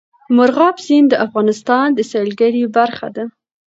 مورغاب سیند د افغانستان د سیلګرۍ برخه ده.